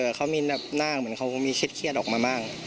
แต่ว่าเค้ามีหน้าเหมือนเค้าเครียดเครียดออกมามาก